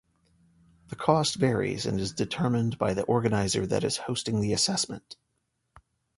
The cost varies and is determined by the organiser that is hosting the assessment.